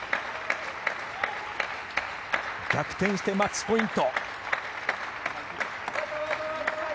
逆転してマッチポイント。